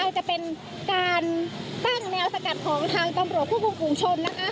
จะเป็นการตั้งแนวสกัดของทางตำรวจคู่กรุงคุมชม